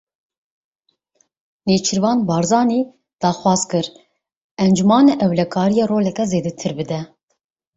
Nêçîrvan Barzanî daxwaz kir Encûmena Ewlekariyê roleke zêdetir bide.